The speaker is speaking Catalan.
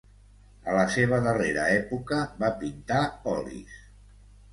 A la seva darrera època, va pintar olis.